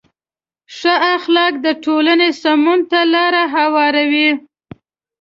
ښه اخلاق د ټولنې سمون ته لاره هواروي.